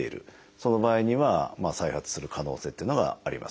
その場合には再発する可能性というのがありますね。